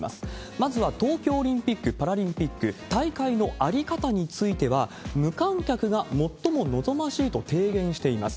まずは東京オリンピック・パラリンピック、大会の在り方については、無観客が最も望ましいと提言しています。